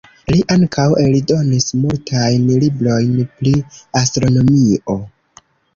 Li ankaŭ eldonis multajn librojn pri astronomio.